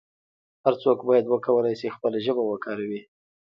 هر څوک باید وکولای شي خپله ژبه وکاروي.